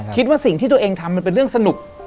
คิดว่าสิ่งที่ตัวเองทำมันเป็นเรื่องสนุก